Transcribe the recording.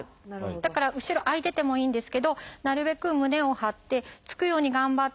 だから後ろ空いててもいいんですけどなるべく胸を張ってつくように頑張って。